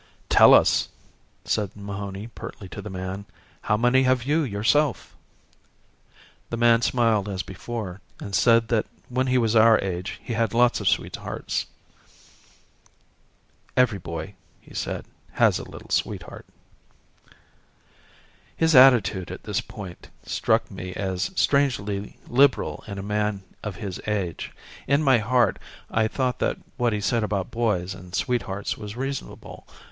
"Tell us," said Mahony pertly to the man, "how many have you yourself?" The man smiled as before and said that when he was our age he had lots of sweethearts. "Every boy," he said, "has a little sweetheart." His attitude on this point struck me as strangely liberal in a man of his age. In my heart I thought that what he said about boys and sweethearts was reasonable.